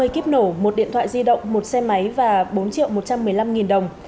hai mươi kíp nổ một điện thoại di động một xe máy và bốn triệu một trăm một mươi năm nghìn đồng